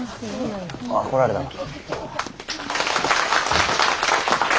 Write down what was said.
ああ来られたわ。